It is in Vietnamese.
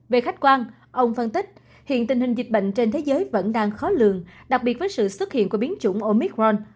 về khách quan ông phân tích hiện tình hình dịch bệnh trên thế giới vẫn đang khó lường đặc biệt với sự xuất hiện của biến chủng omicron